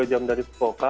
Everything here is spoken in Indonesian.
satu dua jam dari fukuoka